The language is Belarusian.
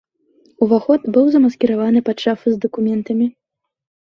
Уваход быў замаскіраваны пад шафу з дакументамі.